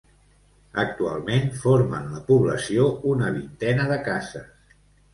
Actualment formen la població una vintena de cases.